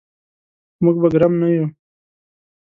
موږ به ګرم نه یو.